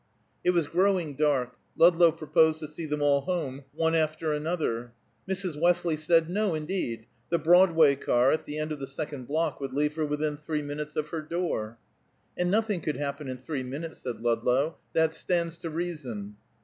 It was growing dark; Ludlow proposed to see them all home one after another. Mrs. Westley said no, indeed; the Broadway car, at the end of the second block, would leave her within three minutes of her door. "And nothing could happen in three minutes," said Ludlow. "That stands to reason."